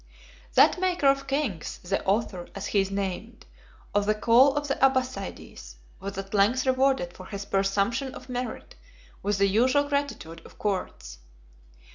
35 That maker of kings, the author, as he is named, of the call of the Abbassides, was at length rewarded for his presumption of merit with the usual gratitude of courts.